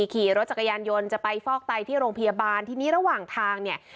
ขี่รถจักรยานยนต์จะไปฟอกไตที่โรงพยาบาลทีนี้ระหว่างทางเนี่ย